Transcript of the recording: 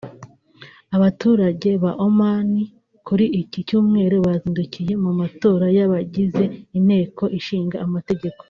Abaturage ba Oman kuri iki cyumweru bazindukiye mu matora y’ abagize Inteko ishinga amategeko